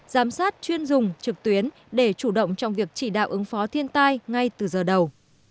giám sát chuyên dùng trực tuyến để chủ động trong việc chỉ đạo ứng phó thiên tai ngay từ giờ đầu